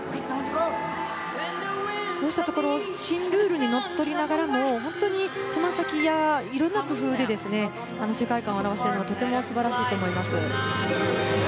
こうしたところ新ルールにのっとりながらも本当に、いろいろな工夫で世界観を表しているのはとても素晴らしいと思います。